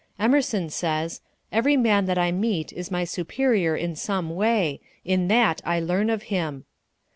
Emerson says: "Every man that I meet is my superior in some way. In that I learn of him."